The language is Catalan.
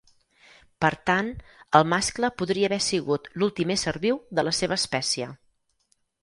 Per tant, el mascle podria haver sigut l'últim ésser viu de la seva espècie.